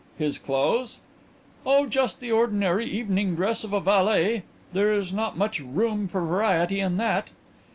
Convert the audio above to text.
"His clothes?" "Oh, just the ordinary evening dress of a valet. There is not much room for variety in that."